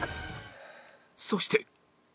そして